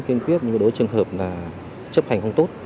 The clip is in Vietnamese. kiên quyết những đối trường hợp là chấp hành không tốt